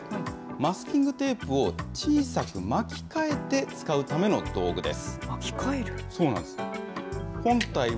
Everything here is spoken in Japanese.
マスキングテープを小さく巻き替えて使うための道具です。